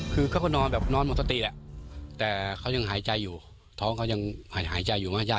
พวกตีรัพยาพณ์บูนรอดจะไม่มา